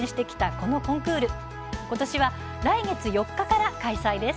ことしは来月４日から開催です。